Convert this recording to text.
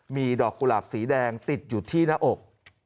มีดอกกุหลาบสีแดงติดอยู่ที่หน้าอก